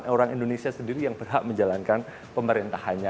orang indonesia sendiri yang berhak menjalankan pemerintahannya